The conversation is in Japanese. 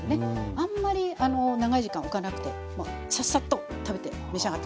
あんまり長い時間おかなくてササッと食べて召し上がって下さい。